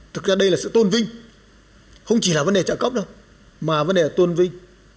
thực ra đây là sự tôn vinh không chỉ là vấn đề trợ cốc đâu mà vấn đề tôn vinh